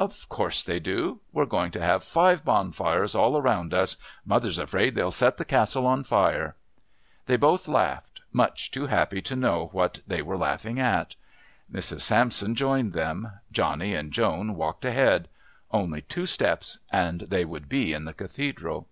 "Of course they do. We're going to have five bonfires all around us. Mother's afraid they'll set the Castle on fire." They both laughed much too happy to know what they were laughing at. Mrs. Sampson joined them. Johnny and Joan walked ahead. Only two steps and they would be in the Cathedral.